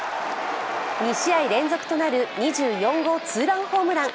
２試合連続となる２４号ツーランホームラン。